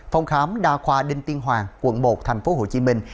phòng khám đa khoa đinh tiên hoàng quận một thành phố hồ chí minh